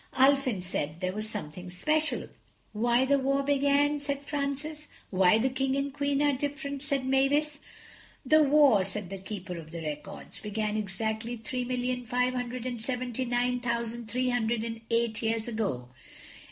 "Ulfin said there was something special." "Why the war began?" said Francis. "Why the King and Queen are different?" said Mavis. "The war," said the Keeper of the Records, "began exactly three million five hundred and seventy nine thousand three hundred and eight years ago.